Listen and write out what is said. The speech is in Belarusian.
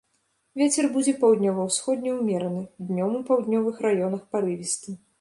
Вецер будзе паўднёва-ўсходні ўмераны, днём у паўднёвых раёнах парывісты.